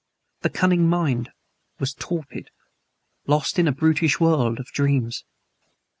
The cunning mind was torpid lost in a brutish world of dreams.